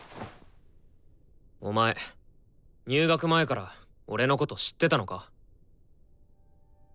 お前入学前から俺のこと知ってたのか？